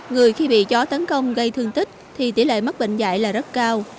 người khi bị chó tấn công gây thương tích thì tỷ lệ mắc bệnh dạy là rất cao